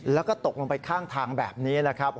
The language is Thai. แล้วก็ตกลงไปข้างทางแบบนี้แหละครับ